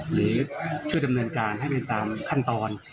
หรือช่วยดำเนินการให้เป็นตามขั้นตอน